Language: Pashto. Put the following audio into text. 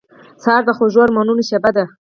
سهار د خوږو ارمانونو شېبه ده.